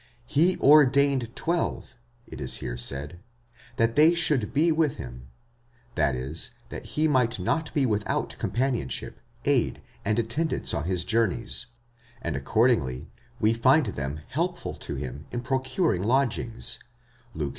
He ordained twelve, it is here said, that they should be with him, that is, that he might not be without companionship, aid, and attendance on his journeys ; and accordingly we find them helptul to him in procuring lodgings (Luke ix.